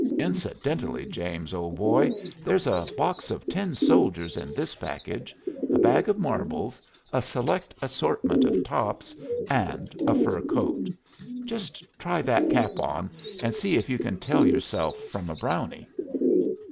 Incidentally, James, old boy, there's a box of tin soldiers in this package, a bag of marbles, a select assortment of tops, and a fur coat; just try that cap on, and see if you can tell yourself from a Brownie."